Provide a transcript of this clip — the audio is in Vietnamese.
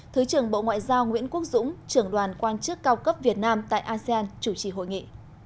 thứ trưởng bộ ngoại giao nguyễn quốc dũng trưởng đoàn quan chức cao cấp việt nam tại asean chủ trì hội nghị